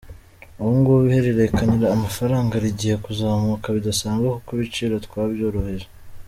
Ubu ngubu ihererekanya mafaranga rigiye kuzamuka bidasanzwe kuko ibiciro twabyorohoje.